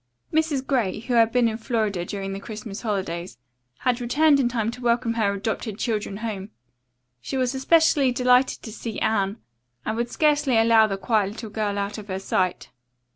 Mrs. Gray, who had been in Florida during the Christmas holidays, had returned in time to welcome her adopted children home. She was especially delighted to see Anne and would scarcely allow the quiet little girl out of her sight.